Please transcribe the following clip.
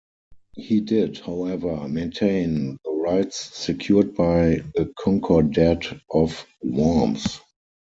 He did, however, maintain the rights secured by the Concordat of Worms.